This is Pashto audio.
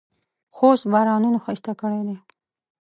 خوست بارانونو ښایسته کړی دی.